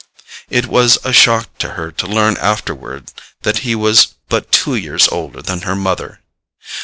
It was a shock to her to learn afterward that he was but two years older than her mother.